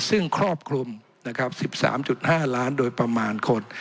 ซึ่งครอบคลุมนะครับ๑๓๕ล้านโดยประมาณคน